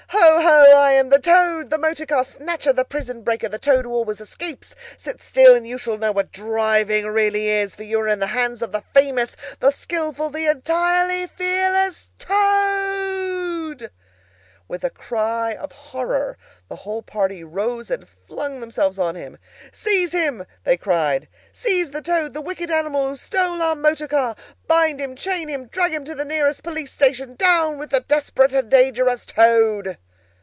"Ho! ho! I am the Toad, the motor car snatcher, the prison breaker, the Toad who always escapes! Sit still, and you shall know what driving really is, for you are in the hands of the famous, the skilful, the entirely fearless Toad!" With a cry of horror the whole party rose and flung themselves on him. "Seize him!" they cried, "seize the Toad, the wicked animal who stole our motor car! Bind him, chain him, drag him to the nearest police station! Down with the desperate and dangerous Toad!"